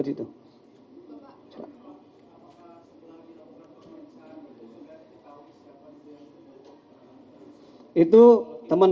apakah kita sudah pemerintahan di negara kita atau di sekatan di negara kita